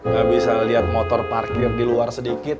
gak bisa lihat motor parkir di luar sedikit